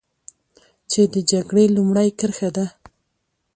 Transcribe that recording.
چې د جګړې لومړۍ کرښه ده.